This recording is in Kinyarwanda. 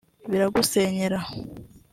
Biragusenyera